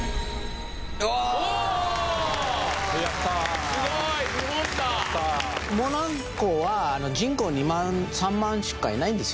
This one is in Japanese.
おおやったすごい日本だモナコは人口２万３万しかいないんですよ